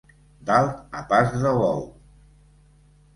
Dalt a pas de bou.